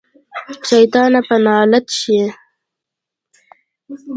شيطانه په نالت شې.